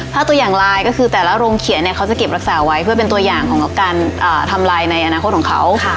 ถ้าตัวอย่างไลน์ก็คือแต่ละโรงเขียนเนี่ยเขาจะเก็บรักษาไว้เพื่อเป็นตัวอย่างของการทำลายในอนาคตของเขา